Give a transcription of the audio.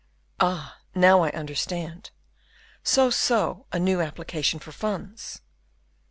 "Ah, now I understand; so, so, a new application for funds?"